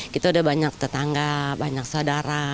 kita udah banyak tetangga banyak saudara